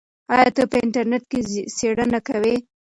آیا ته په انټرنیټ کې څېړنه کوې؟